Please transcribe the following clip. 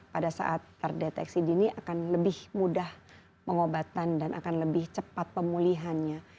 pada saat terdeteksi dini akan lebih mudah pengobatan dan akan lebih cepat pemulihannya